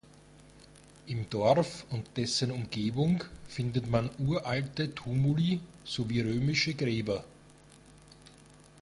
Im Dorf und dessen Umgebung findet man uralte Tumuli sowie römische Gräber.